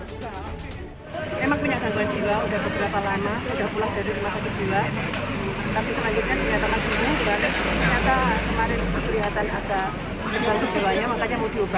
ternyata kemarin kelihatan agak berganggu jiwanya makanya mau diubahkan